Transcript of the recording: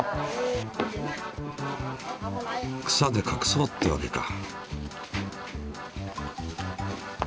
草でかくそうってわけか。